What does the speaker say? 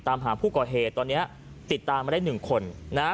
ตามหาผู้ก่อเหตุตอนนี้ติดตามไม่ได้๑คนนะฮะ